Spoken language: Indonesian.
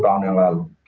sepuluh tahun yang lalu